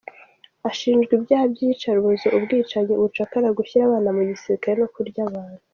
Ashinjwa ibyaha by'iyicarubozo, ubwicanyi, ubucakara, gushyira abana mu gisirikare no kurya abantu.